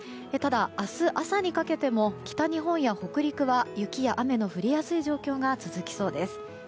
ただ、明日朝にかけても北日本や北陸や雪や雨の降りやすい状況が続きそうです。